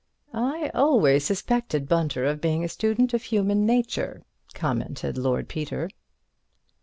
("I always suspected Bunter of being a student of human nature," commented Lord Peter.)